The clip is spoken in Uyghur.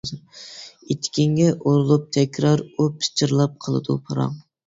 ئېتىكىڭگە ئۇرۇلۇپ تەكرار ئۇ پىچىرلاپ قىلىدۇ پاراڭ.